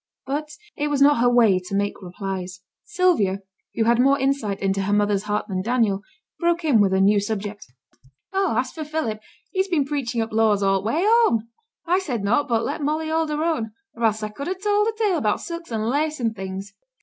But it was not her way to make replies. Sylvia, who had more insight into her mother's heart than Daniel, broke in with a new subject. 'Oh! as for Philip, he's been preaching up laws all t' way home. I said naught, but let Molly hold her own; or else I could ha' told a tale about silks an' lace an' things.'